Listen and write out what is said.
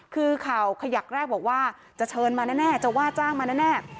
คือข่าวขยักแรกบอกว่าจะเชิญมาแน่จะว่าจ้างมาแน่